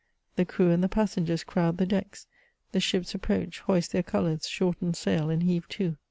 The crew and the passengers crowd the decks, the ships approach, hoist their colours, shorten sail, and heave to.